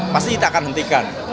pasti kita akan hentikan